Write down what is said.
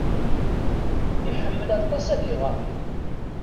Iḥemmel aṭas ad iɣer.